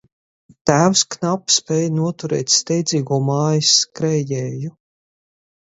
Tēvs knapi spēj noturēt steidzīgo mājās skrējēju.